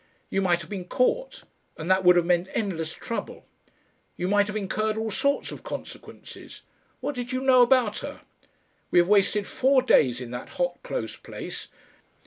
"You might have been caught, and that would have meant endless trouble. You might have incurred all sorts of consequences. What did you know about her?... We have wasted four days in that hot close place.